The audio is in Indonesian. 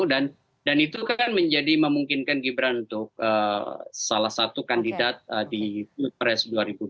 dan dan itu kan menjadi memungkinkan gibran untuk salah satu kandidat di press dua ribu dua puluh empat